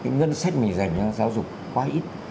ngân sách mình dành cho giáo dục quá ít